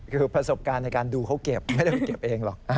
คือประสบการณ์ในการดูเขาเก็บไม่ต้องไปเก็บเองหรอก